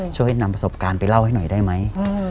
ช่วยนำประสบการณ์ไปเล่าให้หน่อยได้ไหม